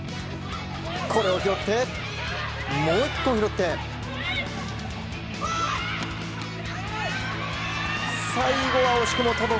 これを拾って、もっと拾って最後は押し込む。